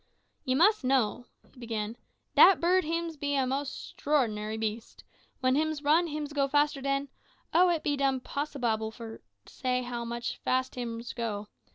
"You mus' know," he began, "dat bird hims be a mos' ex'roroninary beast. When hims run hims go fasterer dan oh! it be dumpossobable for say how much fast hims go.